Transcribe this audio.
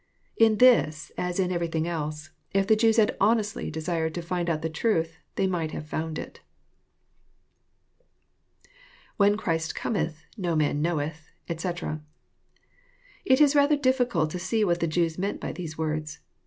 In this, as in everything else, if the \ Jews had honestly desired to find out the truth, they might have found it. IWhen Christ comethy no man knoiceth, etc,"] It is rather diffi cult to see what the Jews meant by these words.